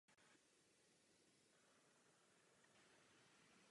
Na věcech veřejných se podíleli jen svobodní občané mužského pohlaví a určitého věku.